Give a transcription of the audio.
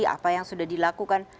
apa yang sudah dilakukan